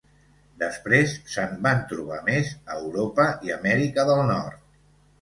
Després se’n van trobar més a Europa i Amèrica del Nord.